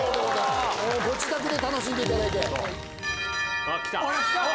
ご自宅で楽しんでいただいて。来た！